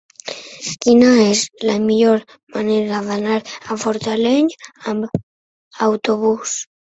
Quina és la millor manera d'anar a Fortaleny amb autobús?